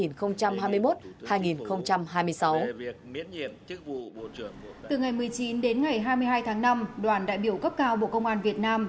từ ngày một mươi chín đến ngày hai mươi hai tháng năm đoàn đại biểu cấp cao bộ công an việt nam